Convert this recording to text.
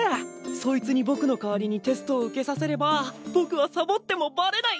そいつにぼくの代わりにテストを受けさせればぼくはサボってもバレない。